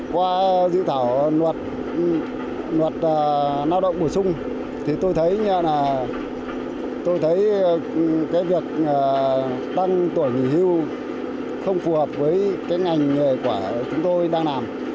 qua dự thảo luật lao động bổ sung thì tôi thấy cái việc tăng tuổi nghỉ hưu không phù hợp với cái ngành của chúng tôi đang làm